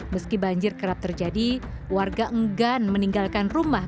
meski banjir kerap terjadi warga enggan meninggalkan rumah